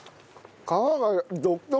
皮が独特！